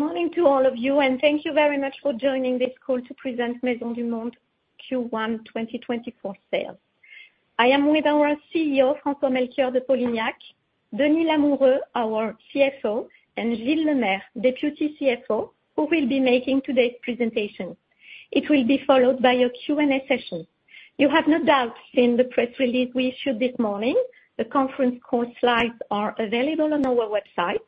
Morning to all of you, and thank you very much for joining this call to present Maisons du Monde Q1 2024 Sales. I am with our CEO, François-Melchior de Polignac, Denis Lamoureux, our CFO, and Gilles Lemaire, Deputy CFO, who will be making today's presentation. It will be followed by a Q&A session. You have no doubt seen the press release we issued this morning. The conference call slides are available on our website.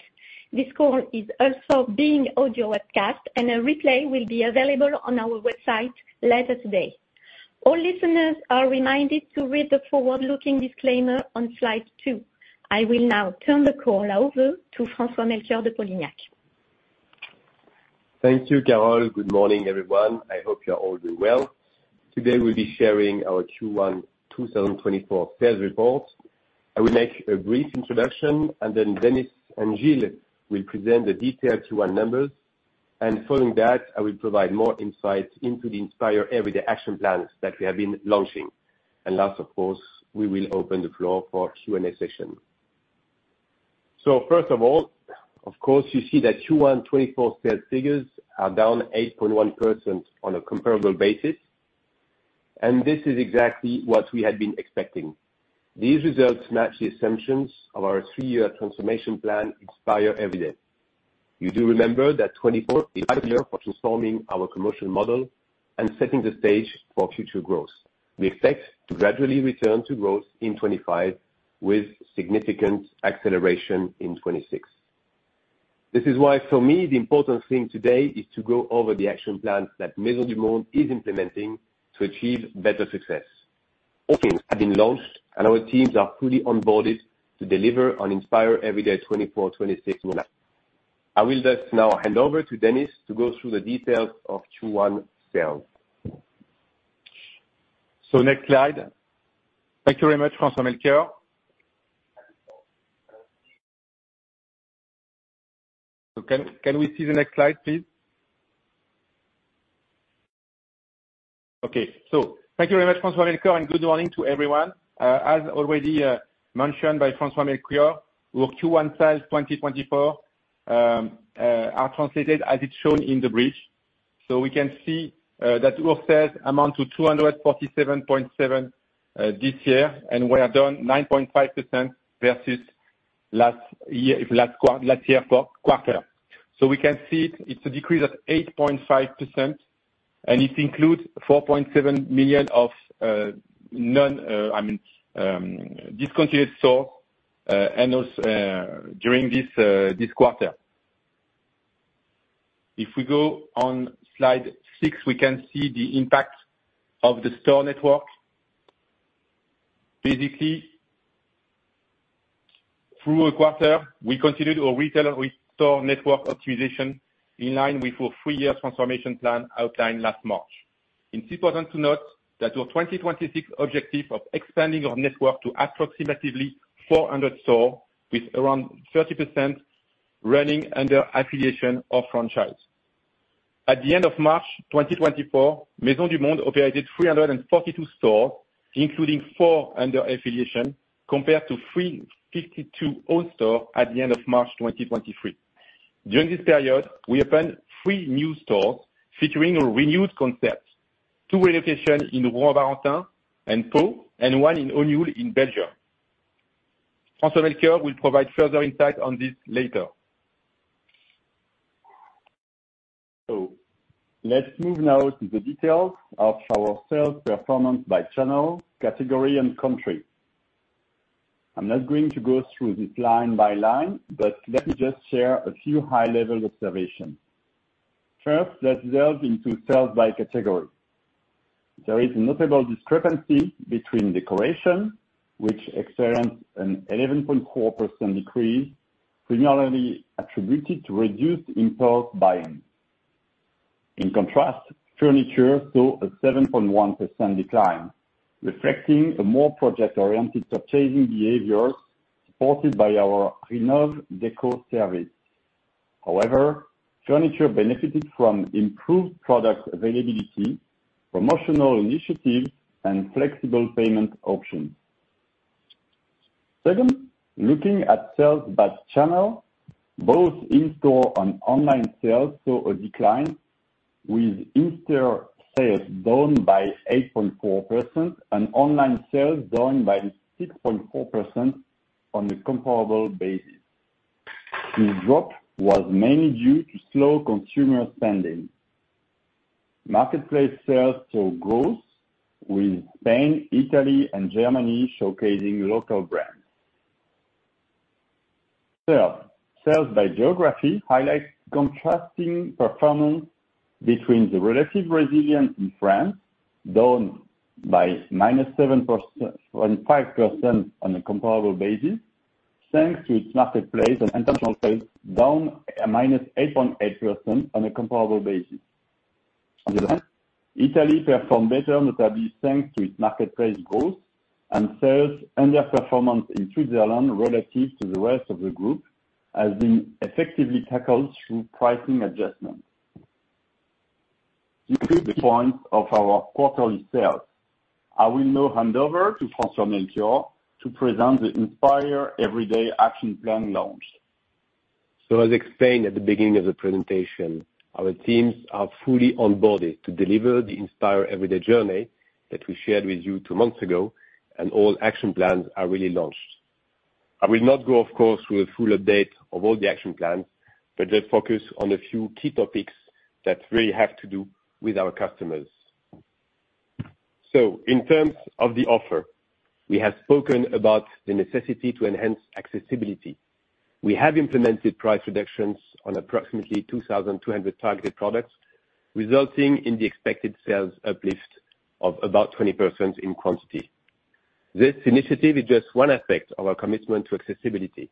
This call is also being audio webcast, and a replay will be available on our website later today. All listeners are reminded to read the forward-looking disclaimer on slide two. I will now turn the call over to François-Melchior de Polignac. Thank you, Carole. Good morning, everyone. I hope you're all doing well. Today, we'll be sharing our Q1 2024 sales report. I will make a brief introduction, and then Denis and Gilles will present the detailed Q1 numbers, and following that, I will provide more insight into the Inspire Everyday action plans that we have been launching. And last, of course, we will open the floor for Q&A session. So first of all, of course, you see that Q1 2024 sales figures are down 8.1% on a comparable basis, and this is exactly what we had been expecting. These results match the assumptions of our three-year transformation plan, Inspire Everyday. You do remember that 2024 is vital year for transforming our commercial model and setting the stage for future growth. We expect to gradually return to growth in 2025, with significant acceleration in 2026. This is why, for me, the important thing today is to go over the action plans that Maisons du Monde is implementing to achieve better success. All things have been launched, and our teams are fully onboarded to deliver on Inspire Everyday 2024, 2026 roadmap. I will just now hand over to Denis to go through the details of Q1 sales. Next slide. Thank you very much, François-Melchior. So can we see the next slide, please? Okay, so thank you very much, François-Melchior, and good morning to everyone. As already mentioned by François-Melchior, our Q1 sales 2024 are translated as it's shown in the brief. So we can see that our sales amount to 247.7 million this year, and we are down 9.5% versus last year last quarter. So we can see it's a decrease of 8.5%, and it includes 4.7 million of non, I mean, discontinued store, and also during this quarter. If we go on slide six, we can see the impact of the store network. Basically, throughout the quarter, we continued our retail store network optimization in line with our three-year transformation plan outlined last March. It's important to note that our 2026 objective of expanding our network to approximately 400 stores, with around 30% running under affiliation or franchise. At the end of March 2024, Maisons du Monde operated 342 stores, including 4 under affiliation, compared to 352 own stores at the end of March 2023. During this period, we opened three new stores featuring a renewed concept, two relocations in Le Mans and Pau, and one in Hannut, in Belgium. François-Melchior will provide further insight on this later. So let's move now to the details of our sales performance by channel, category, and country. I'm not going to go through this line by line, but let me just share a few high-level observations. First, let's delve into sales by category. There is a notable discrepancy between decoration, which experienced an 11.4% decrease, primarily attributed to reduced impulse buying. In contrast, furniture saw a 7.1% decline, reflecting a more project-oriented purchasing behavior supported by our Rénov Déco service. However, furniture benefited from improved product availability, promotional initiatives, and flexible payment options. Second, looking at sales by channel, both in-store and online sales saw a decline, with in-store sales down by 8.4% and online sales down by 6.4% on a comparable basis. This drop was mainly due to slow consumer spending. Marketplace sales saw growth, with Spain, Italy, and Germany showcasing local brands. Third, sales by geography highlights contrasting performance between the relative resilience in France, down by -7.5% on a comparable basis, thanks to its marketplace and international sales, down -8.8% on a comparable basis. On the other hand, Italy performed better, notably thanks to its marketplace growth and sales, and their performance in Switzerland relative to the rest of the group, has been effectively tackled through pricing adjustments.... the point of our quarterly sales. I will now hand over to François-Melchior to present the Inspire Everyday action plan launch. So as explained at the beginning of the presentation, our teams are fully on board to deliver the Inspire Everyday journey that we shared with you two months ago, and all action plans are really launched. I will not go, of course, through a full update of all the action plans, but just focus on a few key topics that really have to do with our customers. So in terms of the offer, we have spoken about the necessity to enhance accessibility. We have implemented price reductions on approximately 2,200 targeted products, resulting in the expected sales uplift of about 20% in quantity. This initiative is just one aspect of our commitment to accessibility.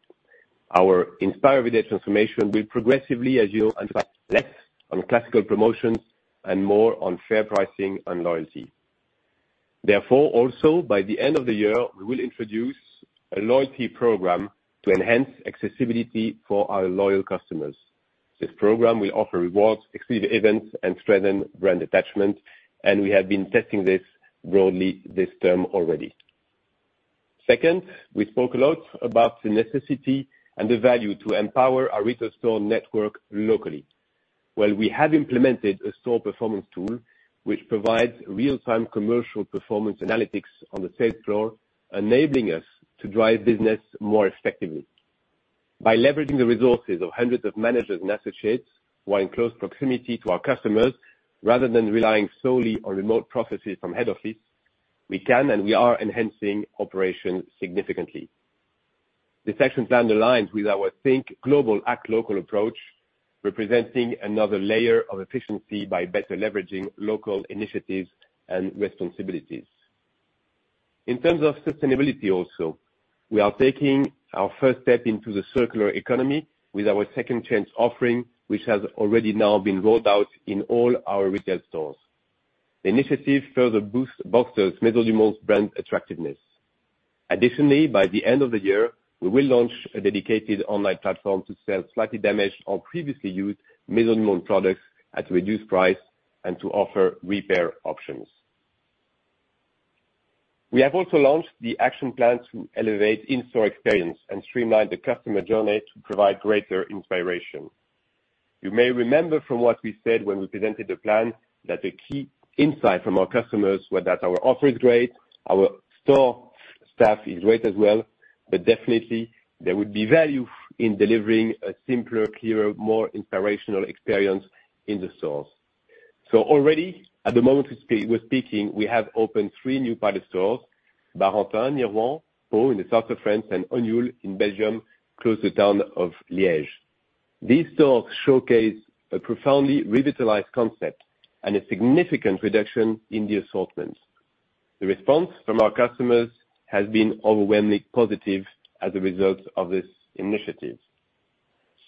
Our Inspire Everyday transformation will progressively, as you on classical promotions and more on fair pricing and loyalty. Therefore, also, by the end of the year, we will introduce a loyalty program to enhance accessibility for our loyal customers. This program will offer rewards, exclusive events, and strengthen brand attachment, and we have been testing this broadly this term already. Second, we spoke a lot about the necessity and the value to empower our retail store network locally. Well, we have implemented a store performance tool, which provides real-time commercial performance analytics on the sales floor, enabling us to drive business more effectively. By leveraging the resources of hundreds of managers and associates who are in close proximity to our customers, rather than relying solely on remote processes from head office, we can and we are enhancing operations significantly. This action plan aligns with our Think Global, Act Local approach, representing another layer of efficiency by better leveraging local initiatives and responsibilities. In terms of sustainability also, we are taking our first step into the circular economy with our Second Chance offering, which has already now been rolled out in all our retail stores. The initiative further boosts Maisons du Monde's brand attractiveness. Additionally, by the end of the year, we will launch a dedicated online platform to sell slightly damaged or previously used Maisons du Monde products at a reduced price and to offer repair options. We have also launched the action plan to elevate in-store experience and streamline the customer journey to provide greater inspiration. You may remember from what we said when we presented the plan, that the key insight from our customers were that our offer is great, our store staff is great as well, but definitely there would be value in delivering a simpler, clearer, more inspirational experience in the stores. So already at the moment we're speaking, we have opened three new pilot stores, Barentin, Nirvan, Pau, in the south of France, and Hannut in Belgium, close to the town of Liège. These stores showcase a profoundly revitalized concept and a significant reduction in the assortment. The response from our customers has been overwhelmingly positive as a result of this initiative.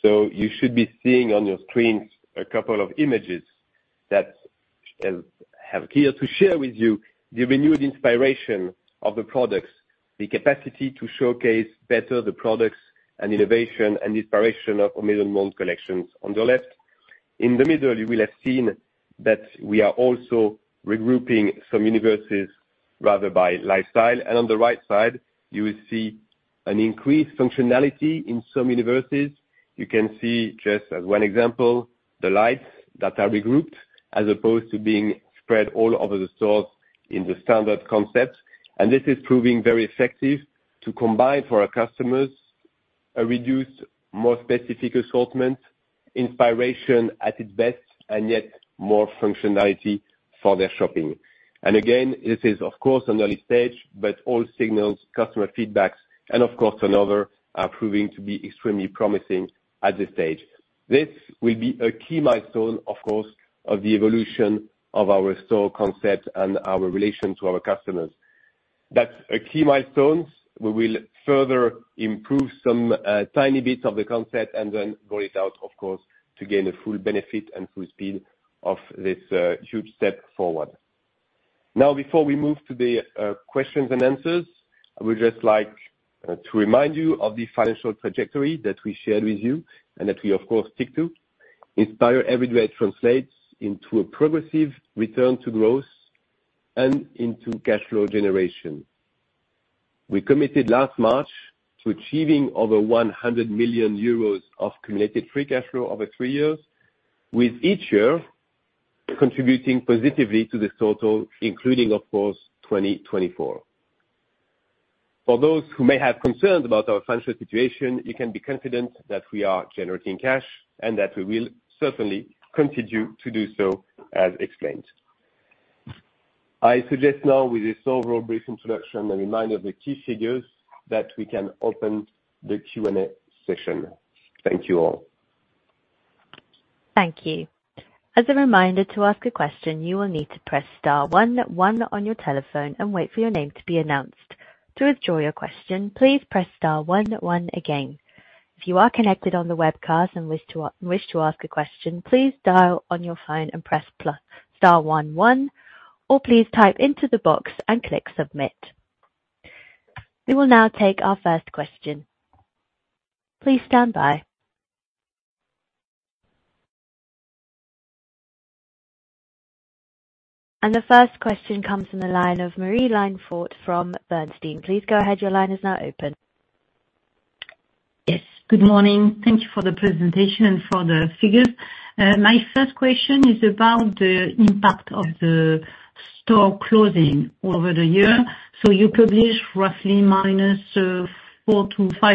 So you should be seeing on your screens a couple of images that have here to share with you the renewed inspiration of the products, the capacity to showcase better the products and innovation and inspiration of our Maisons du Monde collections on the left. In the middle, you will have seen that we are also regrouping some universes, rather, by lifestyle, and on the right side, you will see an increased functionality in some universes. You can see, just as one example, the lights that are regrouped, as opposed to being spread all over the stores in the standard concept. This is proving very effective to combine for our customers a reduced, more specific assortment, inspiration at its best, and yet more functionality for their shopping. Again, this is, of course, an early stage, but all signals, customer feedbacks, and of course, turnover, are proving to be extremely promising at this stage. This will be a key milestone, of course, of the evolution of our store concept and our relation to our customers. That's a key milestone. We will further improve some tiny bits of the concept and then roll it out, of course, to gain a full benefit and full speed of this huge step forward. Now, before we move to the questions and answers, I would just like to remind you of the financial trajectory that we shared with you and that we, of course, stick to. Inspire Everyday translates into a progressive return to growth and into cash flow generation. We committed last March to achieving over 100 million euros of cumulative free cash flow over three years, with each year contributing positively to the total, including, of course, 2024. For those who may have concerns about our financial situation, you can be confident that we are generating cash and that we will certainly continue to do so, as explained. I suggest now, with this overall brief introduction, a reminder of the key figures that we can open the Q&A session. Thank you, all. Thank you. As a reminder, to ask a question, you will need to press star one, one on your telephone and wait for your name to be announced. To withdraw your question, please press star one one again. If you are connected on the webcast and wish to ask a question, please dial on your phone and press plus... star one one, or please type into the box and click submit. We will now take our first question. Please stand by. And the first question comes from the line of Marie-Line Fort from Bernstein. Please go ahead, your line is now open. Yes, good morning. Thank you for the presentation and for the figures. My first question is about the impact of the store closing over the year. So you publish roughly minus 4-5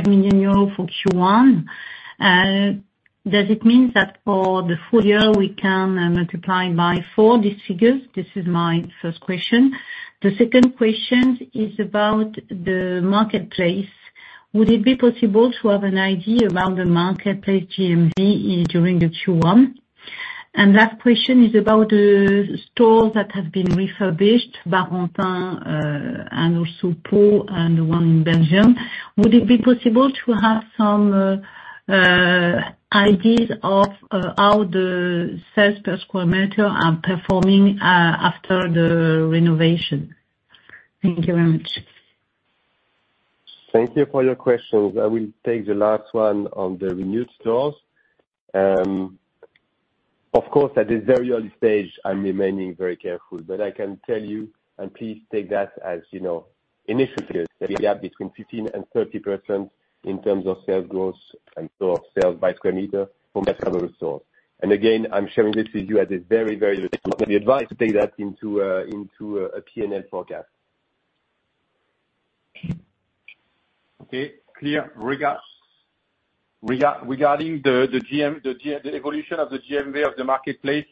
million euros for Q1. Does it mean that for the full year, we can multiply by four, these figures? This is my first question. The second question is about the marketplace. Would it be possible to have an idea about the marketplace GMV during the Q1? And last question is about the stores that have been refurbished, and also Pau, and one in Belgium. Would it be possible to have some ideas of how the sales per square meter are performing after the renovation? Thank you very much. Thank you for your questions. I will take the last one on the renewed stores. Of course, at this very early stage, I'm remaining very careful, but I can tell you, and please take that as, you know, initial figures, that we have between 15%-30% in terms of sales growth and store sales by square meter from a couple of stores. And again, I'm sharing this with you at a very, very early stage, I'd be advised to take that into a PNL forecast. Okay, clear. Regarding the evolution of the GMV of the marketplace,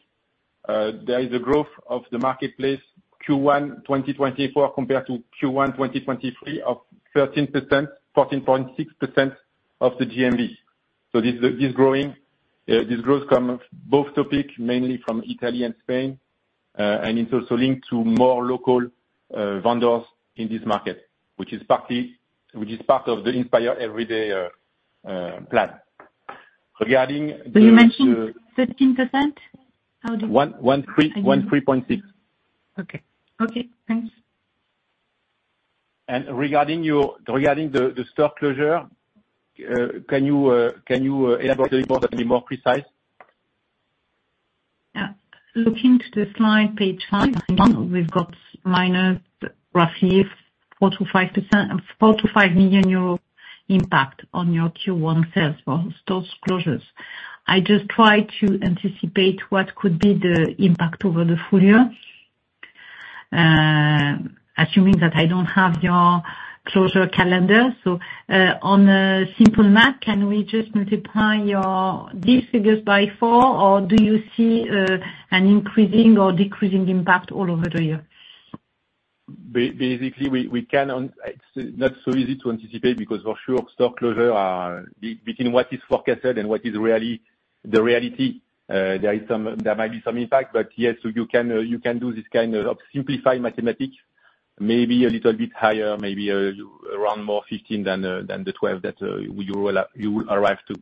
there is a growth of the marketplace, Q1 2024 compared to Q1 2023, of 13%, 14.6% of the GMV. So this growth comes from both topics, mainly from Italy and Spain, and it's also linked to more local vendors in this market, which is part of the Inspire Everyday plan. Regarding the- You mentioned 13%? How do- 113-13.6. Okay. Okay, thanks. Regarding the store closure, can you elaborate anymore to be more precise? Yeah. Looking to the slide, page five, I think we've got minus roughly 4%-5%—4-5 million EUR impact on your Q1 sales for store closures. I just try to anticipate what could be the impact over the full year, assuming that I don't have your closure calendar. On a simple math, can we just multiply your, these figures by four, or do you see an increasing or decreasing impact all over the year? Basically, we cannot. It's not so easy to anticipate, because for sure, store closure are between what is forecasted and what is really the reality. There might be some impact, but yes, you can do this kind of simplified mathematics, maybe a little bit higher, maybe around more 15 than the 12 that you will arrive to.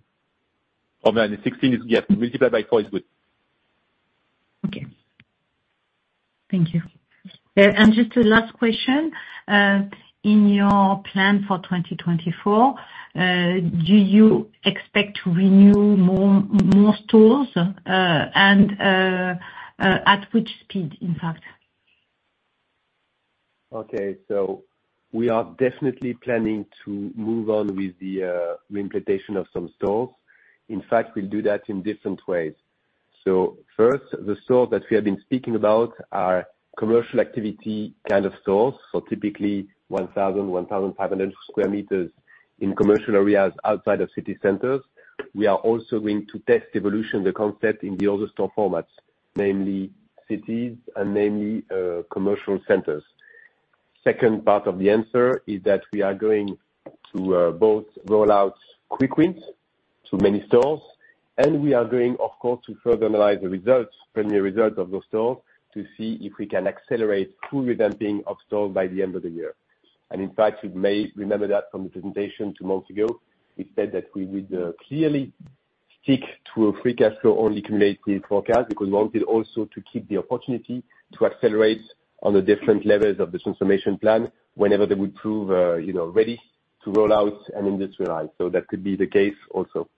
Or then 16 is, yes, multiplied by four is good. Okay. Thank you. And just a last question, in your plan for 2024, do you expect to renew more stores? And at which speed, in fact? Okay, so we are definitely planning to move on with the implementation of some stores. In fact, we'll do that in different ways. So first, the stores that we have been speaking about are commercial activity kind of stores, so typically 1,000-1,500 square meters in commercial areas outside of city centers. We are also going to test evolution, the concept in the other store formats, namely cities and namely commercial centers. Second part of the answer is that we are going to both roll out quick wins to many stores, and we are going, of course, to further analyze the results, primary results of those stores, to see if we can accelerate full revamping of stores by the end of the year. In fact, you may remember that from the presentation two months ago, we said that we would clearly stick to a Free Cash Flow-only cumulative forecast, because we wanted also to keep the opportunity to accelerate on the different levels of the transformation plan whenever they would prove, you know, ready to roll out and industrialize. So that could be the case also.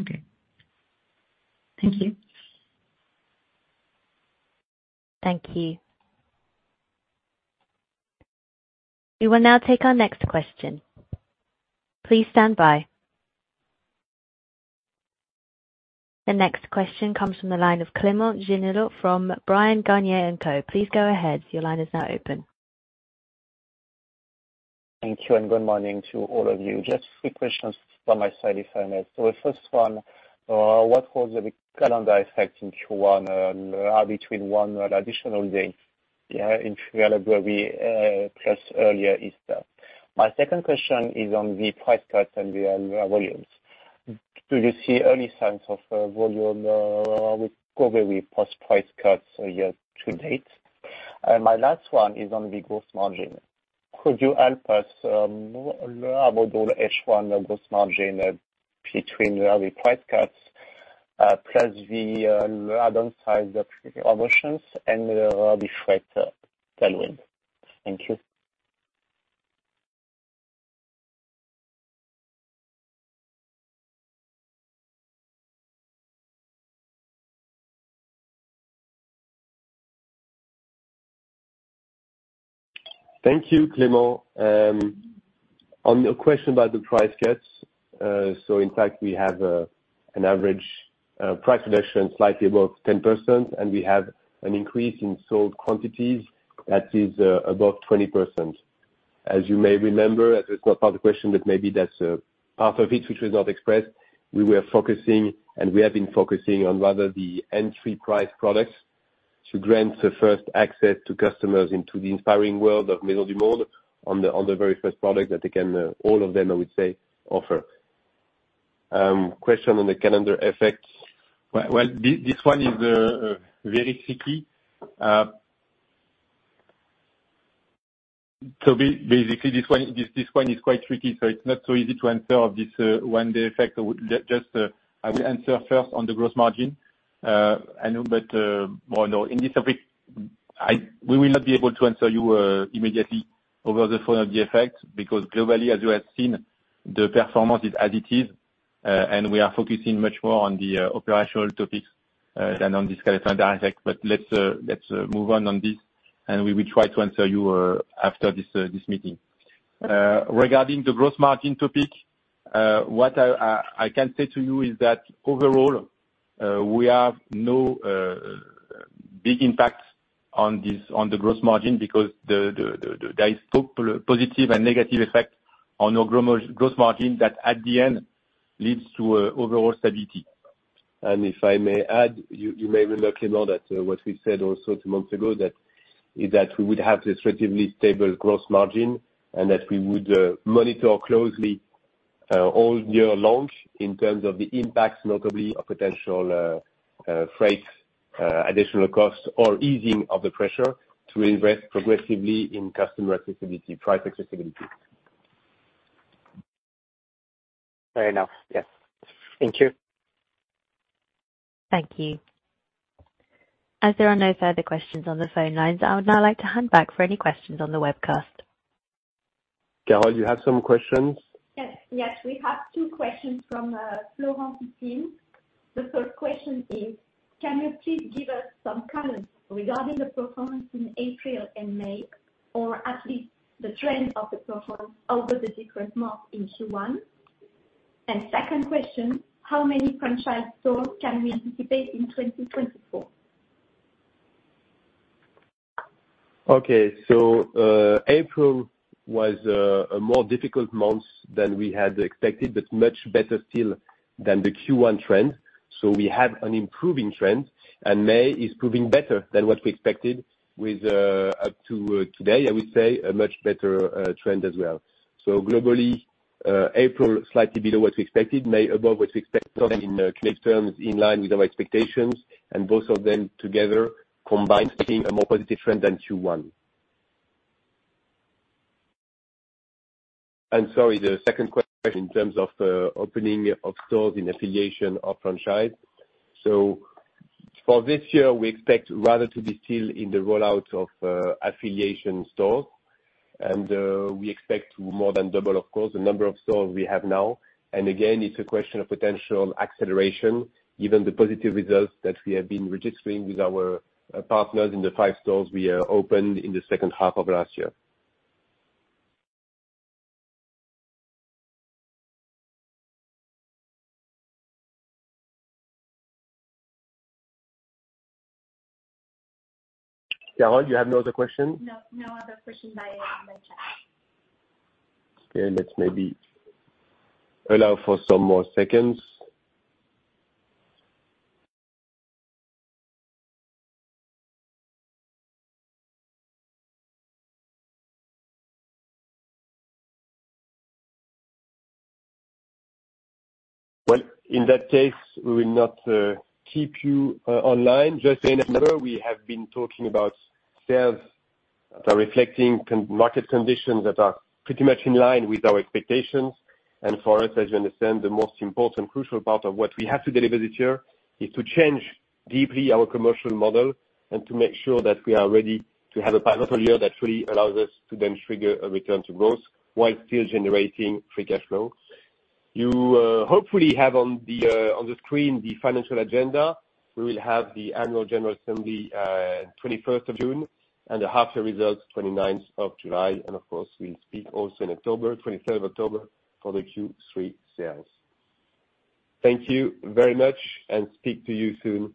Okay. Thank you. Thank you. We will now take our next question. Please stand by. The next question comes from the line of Clément Genelot from Bryan, Garnier & Co. Please go ahead, your line is now open. Thank you, and good morning to all of you. Just three questions from my side, if I may. So the first one, what was the big calendar effect in Q1, between one and additional day, yeah, in February, plus earlier Easter? My second question is on the price cut and the volumes. Do you see early signs of volume recovery post price cuts year to date? My last one is on the gross margin. Could you help us learn about the H1 gross margin between the price cuts, plus the add-on side of options and the freight tailwind? Thank you. Thank you, Clément. On your question about the price cuts, so in fact, we have an average price reduction slightly above 10%, and we have an increase in sold quantities that is above 20%. As you may remember, as it's not part of the question, but maybe that's part of it, which was not expressed, we were focusing and we have been focusing on rather the entry price products, to grant the first access to customers into the inspiring world of Maisons du Monde on the, on the very first product that they can, all of them, I would say, offer. Question on the calendar effect. Well, well, this one is very tricky. So basically, this one is quite tricky, so it's not so easy to answer of this, when the effect just, I will answer first on the gross margin. I know, but, well, no, in this topic, I... We will not be able to answer you immediately over the phone of the effect, because globally, as you have seen, the performance is as it is, and we are focusing much more on the operational topics than on this. But let's move on on this, and we will try to answer you after this meeting. Regarding the gross margin topic, what I can say to you is that overall, we have no big impact on this, on the gross margin, because there is both positive and negative effect on our gross margin, that at the end leads to overall stability. And if I may add, you may remember, Clément, that what we said also two months ago, that is, that we would have a relatively stable gross margin, and that we would monitor closely all year launch in terms of the impacts, notably of potential freight additional costs, or easing of the pressure to invest progressively in customer accessibility, price accessibility. Fair enough. Yes. Thank you. Thank you. As there are no further questions on the phone lines, I would now like to hand back for any questions on the webcast. Gala, you have some questions? Yes, yes, we have two questions from Florent Laroche-Joubert. The first question is, can you please give us some comments regarding the performance in April and May, or at least the trend of the performance over the different months in Q1? And second question, how many franchise stores can we anticipate in 2024? Okay, so April was a more difficult month than we had expected, but much better still than the Q1 trend. So we have an improving trend, and May is proving better than what we expected with, up to today, I would say, a much better trend as well. So globally, April, slightly below what we expected, May above what we expected, in constant terms, in line with our expectations, and both of them together combined, making a more positive trend than Q1. And sorry, the second question in terms of opening of stores in affiliation or franchise. So for this year, we expect rather to be still in the rollout of affiliation stores. And we expect to more than double, of course, the number of stores we have now. Again, it's a question of potential acceleration, given the positive results that we have been registering with our partners in the five stores we opened in the second half of last year. Carol, you have no other questions? No, no other question by in the chat. Okay, let's maybe allow for some more seconds. Well, in that case, we will not keep you online. Just so you know, we have been talking about sales that are reflecting market conditions that are pretty much in line with our expectations. And for us, as you understand, the most important crucial part of what we have to deliver this year is to change deeply our commercial model, and to make sure that we are ready to have a powerful year that really allows us to then trigger a return to growth, while still generating free cash flow. You hopefully have on the screen the financial agenda. We will have the annual general assembly 21st of June, and the half year results 29th of July. And of course, we'll speak also in October, 23rd of October, for the Q3 sales. Thank you very much, and speak to you soon.